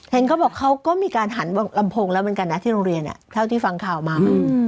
เห็นเขาบอกเขาก็มีการหันลำโพงแล้วเท่าที่ฟังข้าวมา